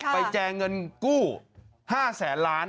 แจงเงินกู้๕แสนล้าน